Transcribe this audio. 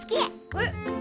えっ。